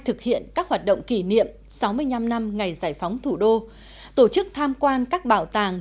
thực hiện các hoạt động kỷ niệm sáu mươi năm năm ngày giải phóng thủ đô tổ chức tham quan các bảo tàng